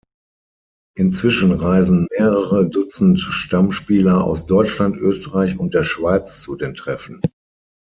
Inzwischen reisen mehrere Dutzend Stammspieler aus Deutschland, Österreich und der Schweiz zu den Treffen.